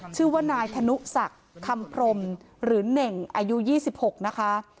ชื่อว่านายธนุศักดิ์คำพรมหรือเน่งอายุ๒๖นะคะ